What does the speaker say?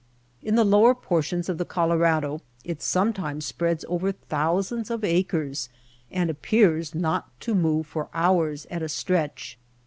In the lower portions of the Colorado it sometimes spreads over thousands of acres, and appears not to move for hours at a stretch.